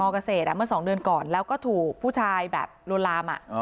เกษตรเมื่อ๒เดือนก่อนแล้วก็ถูกผู้ชายแบบลวนลาม